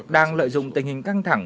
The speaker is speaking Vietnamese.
đang lợi dụng tình hình căng thẳng